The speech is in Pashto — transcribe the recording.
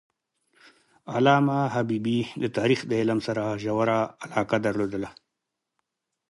علامه حبیبي د تاریخ د علم سره ژوره علاقه درلودله.